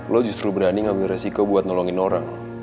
lo justru berani ngambil resiko buat nolongin orang